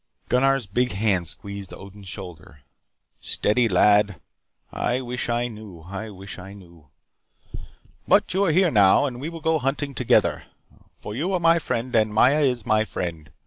Gunnar's big hand squeezed Odin's shoulder. "Steady, lad. I wish I knew. I wish I knew. But you are here now, and we will go hunting together. For you are my friend and Maya is my friend.